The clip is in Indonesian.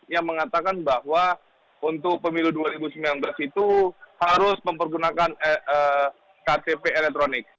yang mengatakan bahwa untuk pemilu dua ribu sembilan belas itu harus mempergunakan ktp elektronik